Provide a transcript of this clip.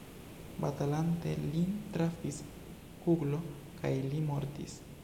Batalante lin trafis kuglo kaj li mortis.